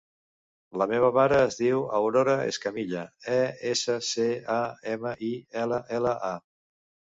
La meva mare es diu Aurora Escamilla: e, essa, ce, a, ema, i, ela, ela, a.